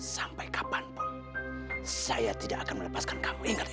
sampai kapanpun saya tidak akan melepaskan kamu ingat